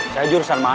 saya jurusan mana